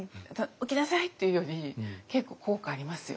「起きなさい」って言うより結構効果ありますよ。